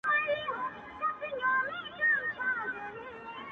داسې په نه خبره نه خبره هيڅ مه کوه,